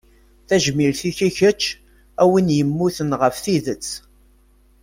Tajmilt i keč a win yemmuten ɣef tidet.